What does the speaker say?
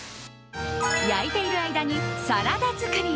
焼いている間にサラダ作り。